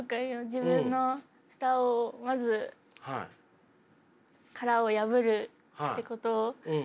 自分の蓋をまず殻を破るってこと。